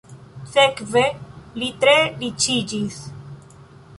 Sekve li tre riĉiĝis.